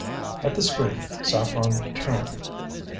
At the scream Saffren turned.